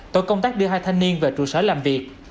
tổ công tác đưa hai thanh niên về trụ sở làm việc